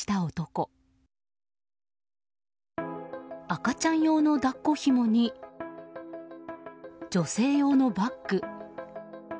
赤ちゃん用の抱っこひもに女性用のバッグ。